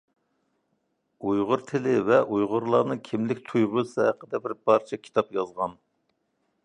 ئۇيغۇر تىلى ۋە ئۇيغۇرلارنىڭ كىملىك تۇيغۇسى ھەققىدە بىر پارچە كىتاب يازغان.